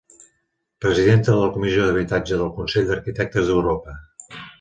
Presidenta de la Comissió d'Habitatge del Consell d'Arquitectes d'Europa.